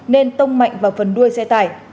nên tông mạnh vào phần đuôi xe tải